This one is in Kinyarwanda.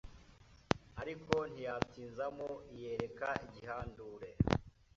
ariko ntiyatinza mo iyereka igihandure